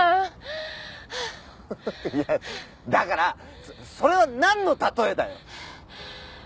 フフフッいやだからそれはなんの例えだよ！